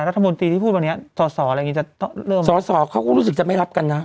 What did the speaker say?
รัฐมนตรีที่พูดวันนี้สอสออะไรอย่างนี้จะเริ่มสอสอเขาก็รู้สึกจะไม่รับกันนะ